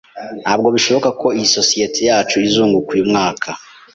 Ntabwo bishoboka ko isosiyete yacu izunguka uyu mwaka.